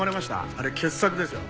あれ傑作ですよ。